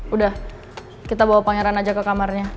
udah kita bawa pangeran aja ke kamarnya